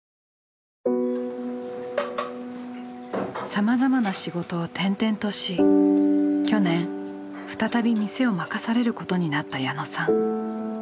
さまざまな仕事を転々とし去年再び店を任されることになった矢野さん。